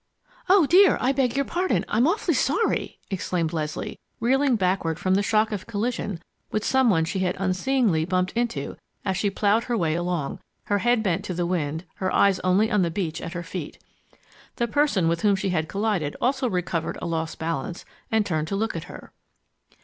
"Oh, dear! I beg your pardon! I'm awfully sorry!" exclaimed Leslie, reeling backward from the shock of collision with some one she had unseeingly bumped into as she plowed her way along, her head bent to the wind, her eyes only on the beach at her feet. The person with whom she had collided also recovered a lost balance and turned to looked at her.